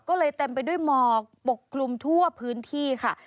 ก็เลยเต็มไปด้วยหมอกปกคลุมทั่วพื้นที่ค่ะ